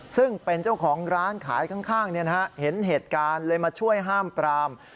ซึ่งเป็นเจ้าของร้านขายข้างเห็นเหตุการณ์เลยมาช่วยห้ามปราม